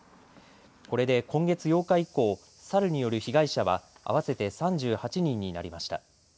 これで今月８日以降、サルによる被害者は合わせて３８人になりました。